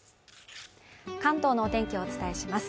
関東のお天気をお伝えします